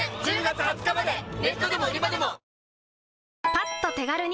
パッと手軽に！